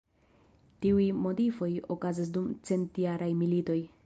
Tiuj modifoj okazas dum Centjara milito.